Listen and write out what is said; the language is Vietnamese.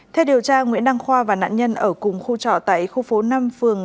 theo điều tra nguyễn đăng khoa và nạn nhân ở cùng khu trọ tại khu phố năm